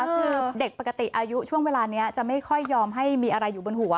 คือเด็กปกติอายุช่วงเวลานี้จะไม่ค่อยยอมให้มีอะไรอยู่บนหัว